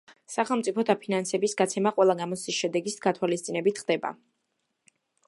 სახელმწიფო დაფინანსების გაცემა ყველა გამოცდის შედეგის გათვალისწინებით ხდება.